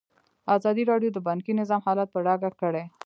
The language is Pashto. ازادي راډیو د بانکي نظام حالت په ډاګه کړی.